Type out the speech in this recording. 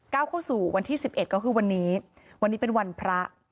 เก้าเข้าสู่วันที่๑๑ก็คือวันนี้วันนี้เป็นวันพระ